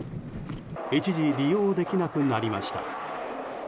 一時利用できなくなりました。